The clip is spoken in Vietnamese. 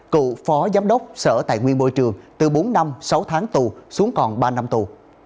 cựu phó giám đốc sở tài nguyên môi trường từ bốn năm sáu tháng tù xuống còn ba năm tù